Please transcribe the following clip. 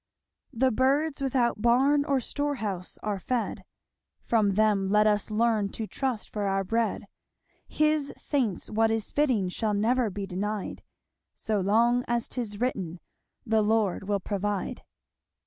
"The birds without barn Or storehouse are fed; From them let us learn To trust for our bread. His saints what is fitting Shall ne'er be denied, So long as 'tis written, 'The Lord will provide.'